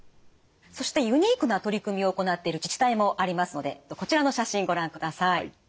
そしてユニークな取り組みを行っている自治体もありますのでこちらの写真ご覧ください。